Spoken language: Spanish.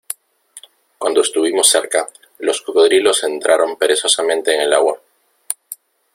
cuando estuvimos cerca, los cocodrilos entraron perezosamente en el agua.